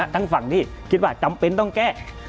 ทั้งฝั่งที่คิดว่าจำเป็นต้องแก้